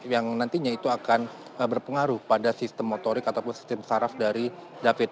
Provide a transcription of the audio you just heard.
yang nantinya itu akan berpengaruh pada sistem motorik ataupun sistem saraf dari david